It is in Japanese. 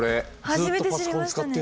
ずっとパソコン使ってんのに。